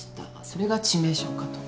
それが致命傷かと。